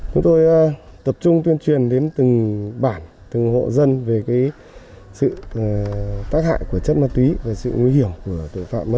chúng tôi tập trung tuyên truyền đến từng bản từng hộ dân về sự tác hại của chất ma túy và sự nguy hiểm